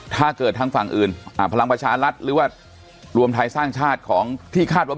ถ้าเกิดทางฝั่งอื่นพลังประชารัฐหรือว่ารวมไทยสร้างชาติของที่คาดว่า